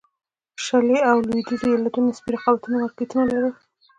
شلي او لوېدیځو ایالتونو نسبي رقابتي مارکېټونه لرل.